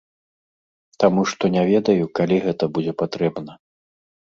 Таму што не ведаю, калі гэта будзе патрэбна.